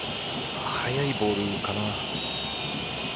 速いボールかな。